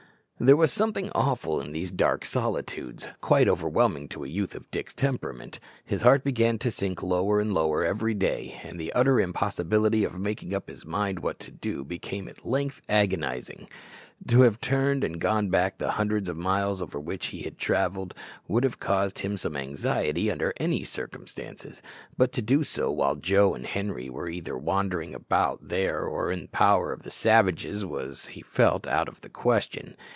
There was something awful in these dark solitudes, quite overwhelming to a youth of Dick's temperament. His heart began to sink lower and lower every day, and the utter impossibility of making up his mind what to do became at length agonizing. To have turned and gone back the hundreds of miles over which he had travelled would have caused him some anxiety under any circumstances, but to do so while Joe and Henri were either wandering about there or in the power of the savages was, he felt, out of the question.